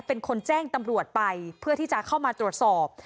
เป็นคนแจ้งตำรวจไปเพื่อที่จะเข้ามาตรวจสอบ